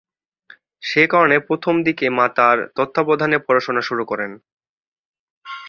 সেকারণে প্রথম দিকে মাতার তত্ত্বাবধানে পড়াশোনা শুরু করেন।